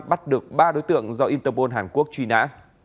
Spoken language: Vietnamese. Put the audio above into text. bắt được ba đối tượng do interpol hàn quốc truy nã